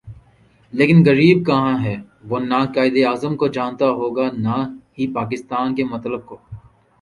لیکن غریب کہاں ہے وہ نہ توقائد اعظم کو جانتا ہوگا نا ہی پاکستان کے مطلب کو